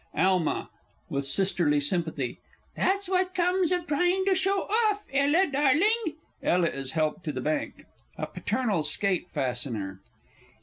ALMA (with sisterly sympathy.) That's what comes of trying to show off, Ella, darling! [ELLA is helped to the bank. A PATERNAL SKATE FASTENER.